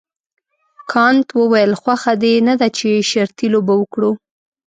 کانت وویل خوښه دې نه ده چې شرطي لوبه وکړو.